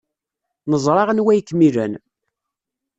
Neẓra anwa ay kem-ilan.